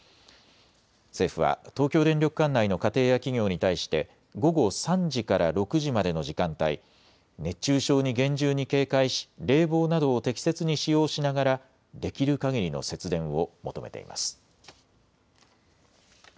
政府は東京電力管内の家庭や企業に対して午後３時から６時までの時間帯、熱中症に厳重に警戒し冷房などを適切に使用しながらできるかぎりの節電を求めています。